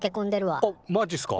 あっマジっすか！